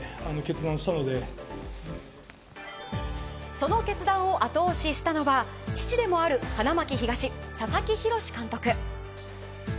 その決断を後押ししたのは父でもある花巻東佐々木洋監督。